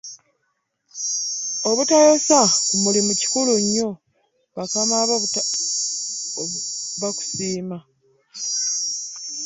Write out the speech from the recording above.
Obutayosa ku mulimu kikulu nnyo bakaba bo bakusiima.